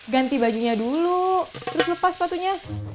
ganti bajunya dulu terus lepas sepatunya